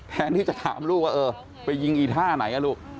แทนที่จะถามลูกว่าเออไปยิงอีท่าไหนลูก